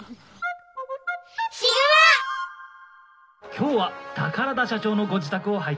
「今日は宝田社長のご自宅を拝見。